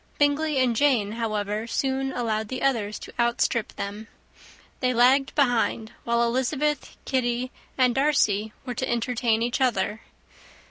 Bingley and Jane, however, soon allowed the others to outstrip them. They lagged behind, while Elizabeth, Kitty, and Darcy were to entertain each other.